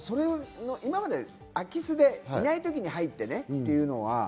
今まで空き巣でいない時に入ってというのは。